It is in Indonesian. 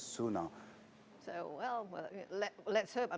semoga saya pikir mereka harus ada